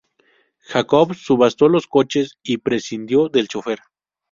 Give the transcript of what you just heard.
Jacobs subastó los coches y prescindió del chófer.